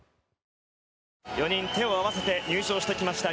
４人手を合わせて入場してきました。